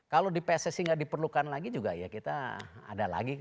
kalau di pssi nggak diperlukan lagi juga ya kita ada lagi